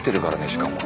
しかも。